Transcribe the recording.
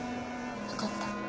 わかった。